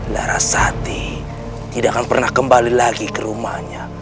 larasati tidak akan pernah kembali lagi ke rumahnya